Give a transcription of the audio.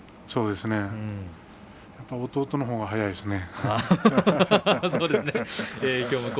やはり弟のほうが早いですね。